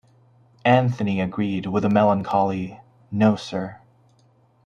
Anthony agreed with a melancholy "No, sir."